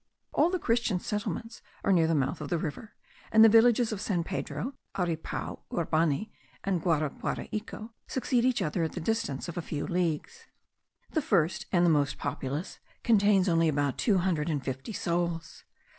All the Christian settlements are near the mouth of the river; and the villages of San Pedro, Aripao, Urbani, and Guaraguaraico, succeed each other at the distance of a few leagues. The first and the most populous contains only about two hundred and fifty souls.